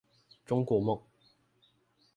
中國夢